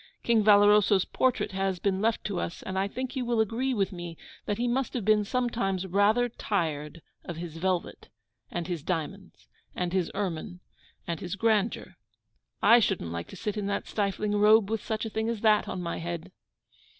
King Valoroso's portrait has been left to us; and I think you will agree with me that he must have been sometimes RATHER TIRED of his velvet, and his diamonds, and his ermine, and his grandeur. I shouldn't like to sit in that stifling robe with such a thing as that on my head.